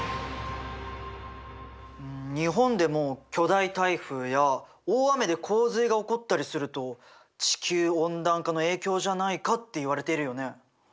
日本でも巨大台風や大雨で洪水が起こったりすると地球温暖化の影響じゃないかっていわれてるよね。